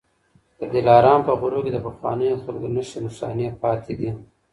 د دلارام په غرو کي د پخوانيو خلکو نښې نښانې پاتې دي